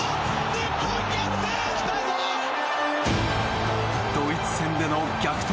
日本、逆転！